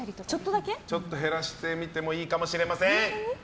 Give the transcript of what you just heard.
ちょっと減らしてみてもいいかもしれません。